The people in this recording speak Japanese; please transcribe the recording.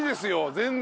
全然。